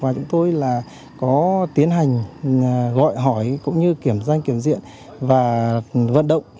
và chúng tôi là có tiến hành gọi hỏi cũng như kiểm danh kiểm diện và vận động